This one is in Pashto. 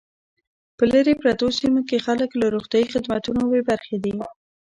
په لري پرتو سیمو کې خلک له روغتیايي خدمتونو بې برخې دي